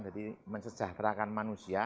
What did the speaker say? jadi mencejahterakan manusia